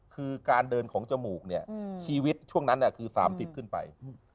คือการเดินของจมูกเนี่ยชีวิตช่วงนั้นคือ๓๐ขึ้นไป